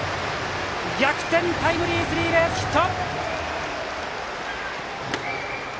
逆転タイムリースリーベースヒット！